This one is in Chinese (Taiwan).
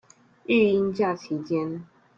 育嬰假期間